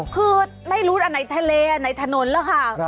คือไม่รู้อันไหนทะเลอันไหนถนนแล้วค่ะ